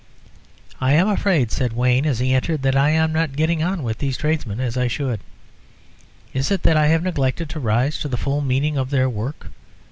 "I am afraid," said Wayne, as he entered, "that I am not getting on with these tradesmen as I should. Is it that I have neglected to rise to the full meaning of their work?